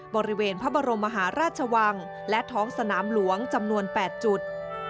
บริเวณพระบรมมหาราชวังและท้องสนามหลวงจำนวน๘จุด